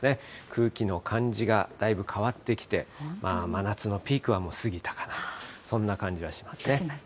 空気の感じがだいぶ変わってきて、真夏のピークは過ぎたかなと、そんな感じはしますね。